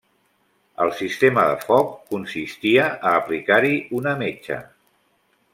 El sistema de foc consistia a aplicar-hi una metxa.